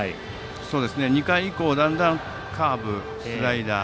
２回以降だんだんカーブ、スライダー